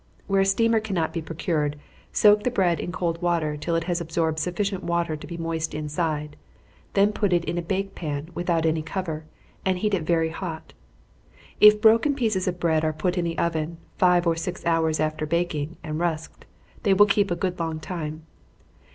Where a steamer cannot be procured, soak the bread in cold water till it has absorbed sufficient water to be moist inside then put it in a bake pan, without any cover, and heat it very hot. If broken pieces of bread are put in the oven, five or six hours after baking, and rusked, they will keep good a long time.